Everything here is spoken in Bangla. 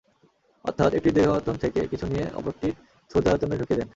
অর্থাৎ একটির দীর্ঘায়তন থেকে কিছু নিয়ে অপরটি ক্ষুদ্রায়তনে ঢুকিয়ে দেন।